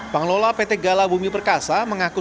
pengelola pt gala bumi perkasa mengaku